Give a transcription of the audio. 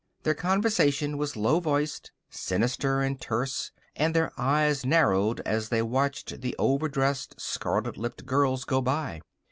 Their conversation was low voiced, sinister, and terse, and their eyes narrowed as they watched the overdressed, scarlet lipped girls go by.